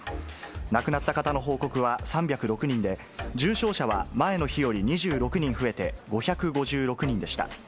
亡くなった方の報告は３０６人で、重症者は前の日より２６人増えて５５６人でした。